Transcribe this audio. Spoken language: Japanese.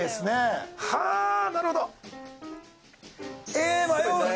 え迷う！